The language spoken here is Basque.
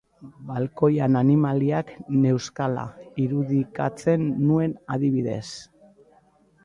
Balkoian animaliak neuzkala irudikatzen nuen adibidez.